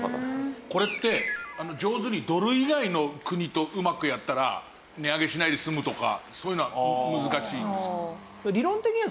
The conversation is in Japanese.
これって上手にドル以外の国とうまくやったら値上げしないで済むとかそういうのは難しいんですか？